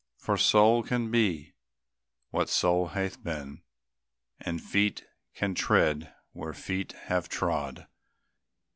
For soul can be what soul hath been, And feet can tread where feet have trod.